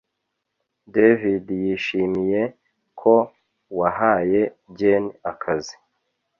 David yishimiye ko wahaye Jane akazi